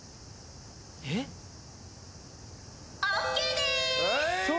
ＯＫです。